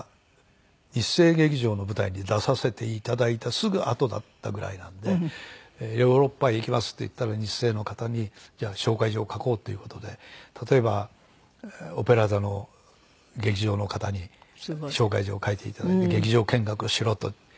すぐあとだったぐらいなんで「ヨーロッパへ行きます」って言ったら日生の方にじゃあ紹介状を書こうという事で例えばオペラ座の劇場の方に紹介状を書いていただいて劇場見学しろと。